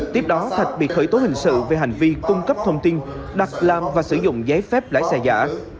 tiếp đó thạch bị khởi tố hình sự về hành vi cung cấp thông tin đặt làm và sử dụng giấy phép lái xe giả